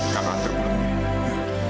kamu ante pula ya